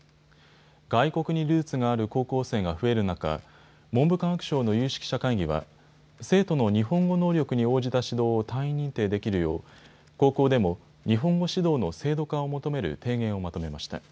外国にルーツがある高校生が増える中、文部科学省の有識者会議は生徒の日本語能力に応じた指導を単位認定できるよう高校でも日本語指導の制度化を求める提言をまとめました。